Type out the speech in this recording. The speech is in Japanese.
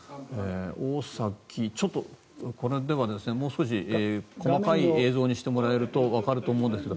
大崎、ちょっとこれではもう少し細かい映像にしてもらえるとわかると思うんですが。